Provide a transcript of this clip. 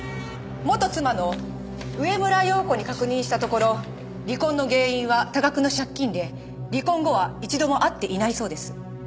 元妻の植村洋子に確認したところ離婚の原因は多額の借金で離婚後は一度も会っていないそうです。